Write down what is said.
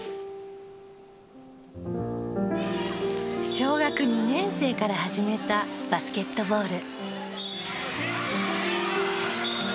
小学２年生から始めたバスケットボール。